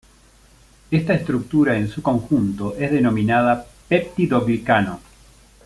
Esta estructura en su conjunto es denominada peptidoglicano.